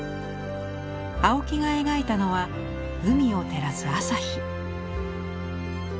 青木が描いたのは海を照らす朝日。